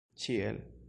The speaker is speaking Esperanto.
ĉiel